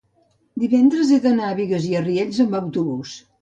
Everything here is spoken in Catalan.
divendres he d'anar a Bigues i Riells amb autobús.